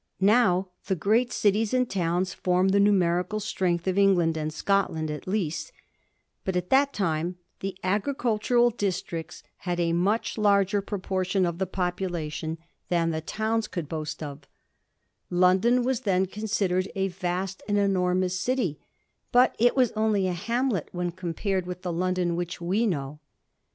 Now the great cities and towns form the numerical strength of England and Scotland at least, but at that time the agricultural districts had ^ much larger proportion of the population than the e2 Digiti zed by Google 84 A HISTORY OF THE FOUR GEORGES. oh. t. towns could boast of. London was then considered a vast and enormous city, but it was only a hamlet when compared with the London which we know.